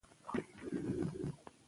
که کسب وي نو فقر نه وي.